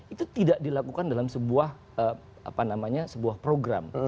itu tidak dilakukan dalam sebuah program